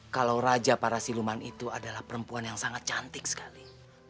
kalau raja para siluman itu adalah perempuan yang sangat cantik sekali